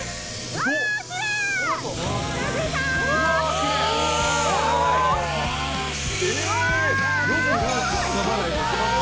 わー、きれい。